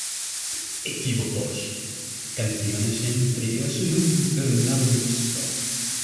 Equívocos, canciones e intrigas en un internado mixto.